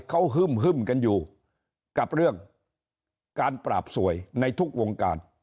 เขาฮึ่มกันอยู่กับเรื่องการปราบสวยในทุกวงการ